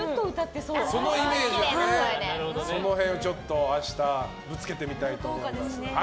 その辺明日、ぶつけてみたいと思います。